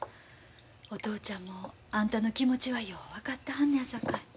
お父ちゃんもあんたの気持ちはよう分かってはんねやさかい。